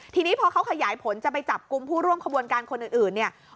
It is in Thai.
ทีนี้พอเขาขยายผลจะไปจับกลุ่มผู้ร่วมขบวนการคนอื่นเนี่ย